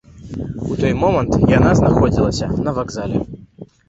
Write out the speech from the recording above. У той момант яна знаходзілася на вакзале.